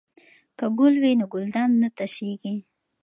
که ګل وي نو ګلدان نه تشیږي.